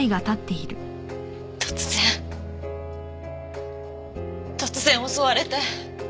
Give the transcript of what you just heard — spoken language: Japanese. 突然突然襲われて！